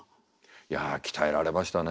いや鍛えられましたね。